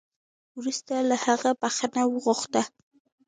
وروسته له هغه بخښنه وغوښته